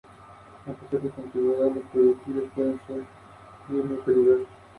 Muestra cordones y adoquines, y grandes obras que realizaron los artesanos de la piedra.